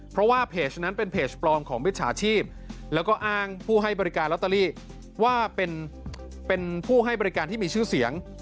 เพราะว่าเพจนั้นเป็นเพจปลอมของมิจฉาชีพแล้วก็อ้างผู้ให้บริการลอตเตอรี่ว่าเป็นผู้ให้บริการที่มีชื่อเสียง